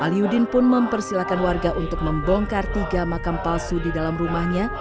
aliudin pun mempersilahkan warga untuk membongkar tiga makam palsu di dalam rumahnya